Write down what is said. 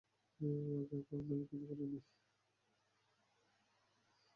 ও আগে কখনো কিছুই করেনি।